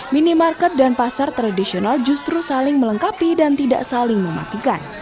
minimarket dan pasar tradisional justru saling melengkapi dan tidak saling mematikan